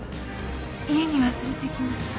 家に忘れてきました。